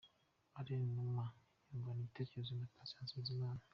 Alain Numa yungurana ibitekerezo na Patient Bizimana.